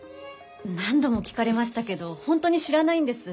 何度も聞かれましたけど本当に知らないんです。